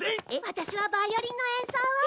ワタシはバイオリンの演奏を！